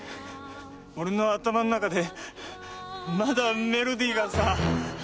俺の頭の中でまだメロディーがさ。